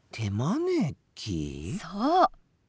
そう。